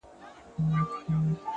هره ورځ د نوې کیسې پیل دی،